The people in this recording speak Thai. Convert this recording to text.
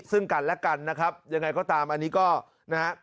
ซึ่งกันและกันนะครับยังไงก็ตามอันนี้ก็นะฮะ